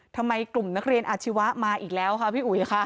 ทำไมกลุ่มนักเรียนอาชีวะมาอีกแล้วค่ะพี่อุ๋ยค่ะ